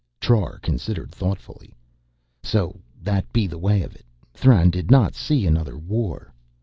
Trar considered thoughtfully. "So that be the way of it. Thran did not see another war...."